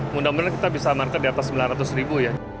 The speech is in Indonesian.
mudah mudahan kita bisa market di atas sembilan ratus ribu ya